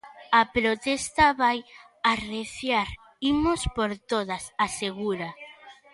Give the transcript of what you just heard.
"A protesta vai arreciar, imos por todas", asegura.